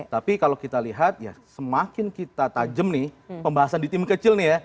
tapi kalau kita lihat ya semakin kita tajam nih pembahasan di tim kecil nih ya